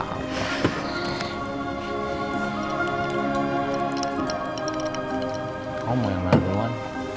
kau mau yang mana duluan